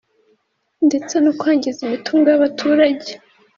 ndetse no kwangiza imitungo yabaturage